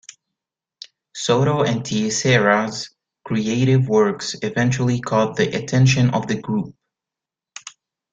Soto and Tissera's creative works eventually caught the attention of the group.